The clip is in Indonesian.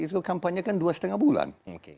itu kampanye kan dua lima bulan